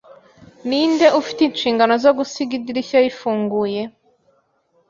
Ninde ufite inshingano zo gusiga idirishya rifunguye?